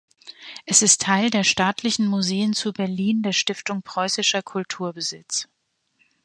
Es ist Teil der Staatlichen Museen zu Berlin der Stiftung Preußischer Kulturbesitz.